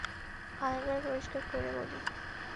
আরেকবার পরিষ্কার করে বলি।